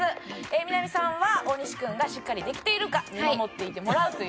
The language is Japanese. みな実さんは大西君がしっかりできているか見守っていてもらうという。